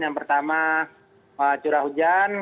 yang pertama curah hujan